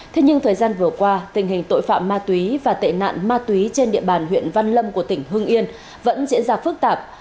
thế nhưng thời gian vừa qua tình hình tội phạm ma túy và tệ nạn ma túy trên địa bàn huyện văn lâm của tỉnh hưng yên vẫn diễn ra phức tạp